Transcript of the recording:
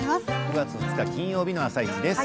９月２日金曜日の「あさイチ」です。